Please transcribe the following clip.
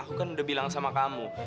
aku kan udah bilang sama kamu